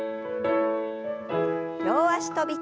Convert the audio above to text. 両脚跳び。